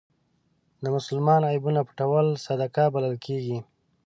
د مسلمان عیبونه پټول صدقه بلل کېږي.